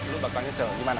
lu bakal nyesel gimana